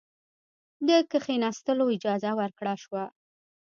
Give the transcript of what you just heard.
د کښېنستلو اجازه ورکړه شوه.